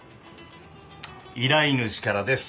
依頼主からです。